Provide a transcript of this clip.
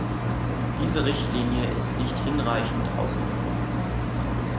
Diese Richtlinie ist nicht hinreichend ausgewogen.